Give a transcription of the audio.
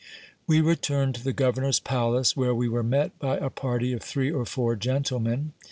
We returned to the governor's palace, where we were met by a party of three or four gentlemen.